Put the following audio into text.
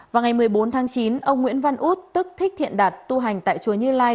vào ngày một mươi bốn tháng chín ông nguyễn văn út tức thiện đạt tu hành tại chùa như lai